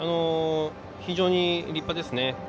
非常に立派ですね。